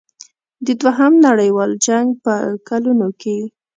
د دوهم نړیوال جنګ په کلونو کې.